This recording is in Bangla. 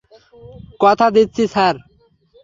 কথা দিচ্ছি স্যার।